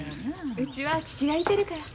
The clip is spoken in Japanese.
うちは父がいてるから。